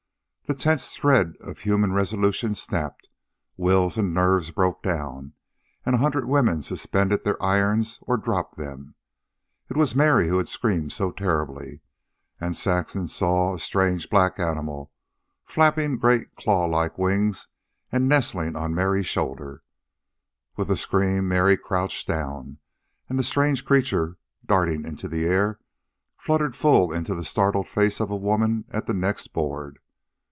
The tense thread of human resolution snapped; wills and nerves broke down, and a hundred women suspended their irons or dropped them. It was Mary who had screamed so terribly, and Saxon saw a strange black animal flapping great claw like wings and nestling on Mary's shoulder. With the scream, Mary crouched down, and the strange creature, darting into the air, fluttered full into the startled face of a woman at the next board.